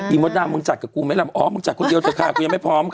มดดำมึงจัดกับกูไหมล่ะอ๋อมึงจัดคนเดียวเถอะค่ะกูยังไม่พร้อมค่ะ